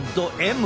Ｍ。